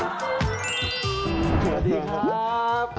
สวัสดีครับ